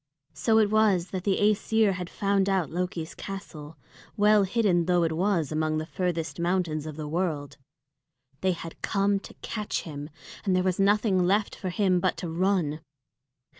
So it was that the Æsir had found out Loki's castle, well hidden though it was among the furthest mountains of the world. They had come to catch him, and there was nothing left for him but to run.